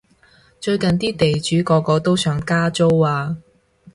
最近啲地主個個都想加租啊